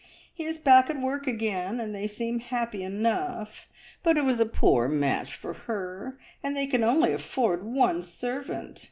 He is back at work again, and they seem happy enough; but it was a poor match for her, and they can only afford one servant.